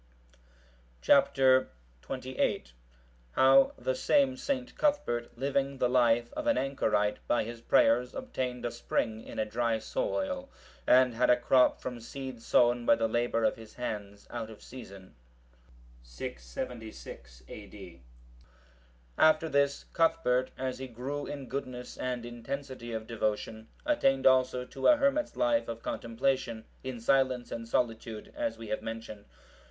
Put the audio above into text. (748) Chap. XXVIII. How the same St. Cuthbert, living the life of an Anchorite, by his prayers obtained a spring in a dry soil, and had a crop from seed sown by the labour of his hands out of season. [676 A.D.] After this, Cuthbert, as he grew in goodness and intensity of devotion, attained also to a hermit's life of contemplation in silence and solitude, as we have mentioned.